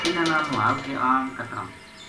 اِنھاں نا نُہال کے آن کترَاں